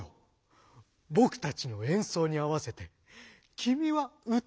ぼくたちのえんそうにあわせてきみはうたをうたえばいい」。